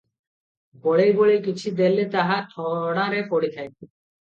ବଳେଇ ବଳେଇ କିଛି ଦେଲେ ତାହା ଠଣାରେ ପଡ଼ିଥାଏ ।